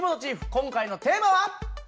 今回のテーマは？